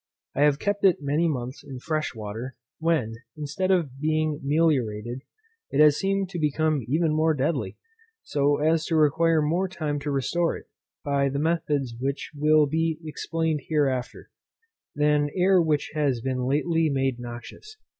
I have kept it many months in fresh water, when, instead of being meliorated, it has seemed to become even more deadly, so as to require more time to restore it, by the methods which will be explained hereafter, than air which has been lately made noxious.